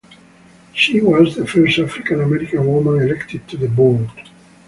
She was the first African American woman elected to the board.